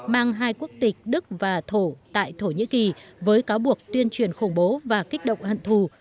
mang hai quốc tịch đức và thổ tại thổ nhĩ kỳ với cáo buộc tuyên truyền khủng bố và kích động hận thù